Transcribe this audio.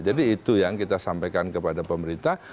jadi itu yang kita sampaikan kepada pemerintah